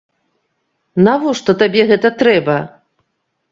Навошта табе гэта трэба?